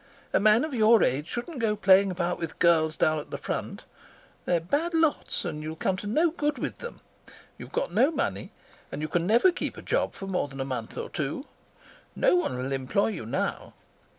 A man of your age shouldn't go playing about with the girls down at the front. They're bad lots, and you'll come to no good with them. You've got no money, and you can never keep a job for more than a month or two. No one will employ you now.